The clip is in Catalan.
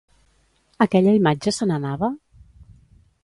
Aquella imatge se n'anava?